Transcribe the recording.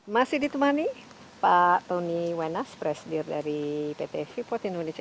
masih ditemani pak tony wenas presidir dari pt freeport indonesia